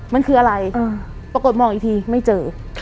มันคืออะไรปรากฏมองอีกทีไม่เจอ